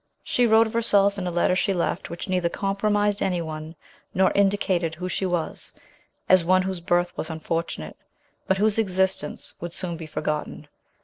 She wrote of herself in a letter she left, which neither compromised any one nor indicated who she was, as one whose birth was unfortunate, but whose existence would soon be forgotten.